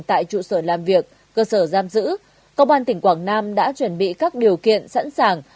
tại trụ sở làm việc cơ sở giam giữ công an tỉnh quảng nam đã chuẩn bị các điều kiện sẵn sàng